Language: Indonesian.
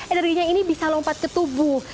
energinya ini bisa lompat ke tubuh